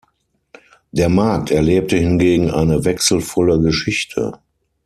Der Markt erlebte hingegen eine wechselvolle Geschichte.